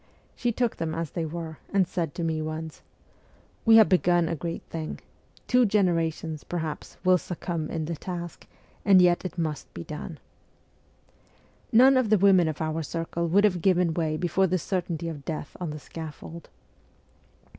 She took them as they were, and said to me once :' We have begun a great thing. Two generations, perhaps, will succumb in the task, and yet it must be done.' None of the women of our circle would have given way before the certainty of death on the scaffold.